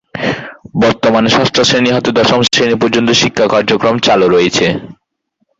বর্তমানে ষষ্ঠ শ্রেণী হতে দশম শ্রেণী পর্যন্ত শিক্ষা কার্যক্রম চালু রয়েছে।